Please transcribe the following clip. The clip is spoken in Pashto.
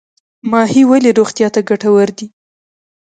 ماهي ولې روغتیا ته ګټور دی؟